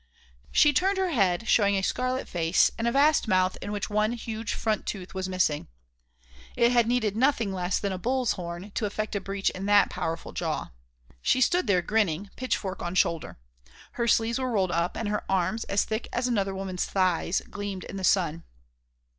She turned her head, showing a scarlet face and a vast mouth in which one huge front tooth was missing. It had needed nothing less than a bull's horn to effect a breach in that powerful jaw. She stood there grinning, pitchfork on shoulder. Her sleeves were rolled up and her arms, as thick as another woman's thighs, gleamed in the sun.